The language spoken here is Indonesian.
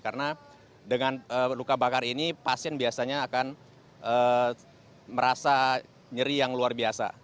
karena dengan luka bakar ini pasien biasanya akan merasa nyeri yang luar biasa